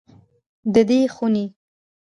د دې خونې